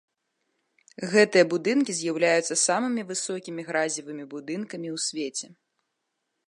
Гэтыя будынкі з'яўляюцца самымі высокімі гразевымі будынкамі ў свеце.